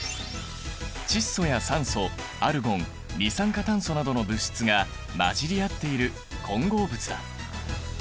窒素や酸素アルゴン二酸化炭素などの物質が混じり合っている混合物だ。